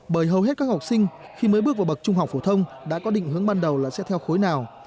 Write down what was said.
bởi hầu hết các học sinh khi mới bước vào bậc trung học phổ thông đã có định hướng ban đầu là sẽ theo khối nào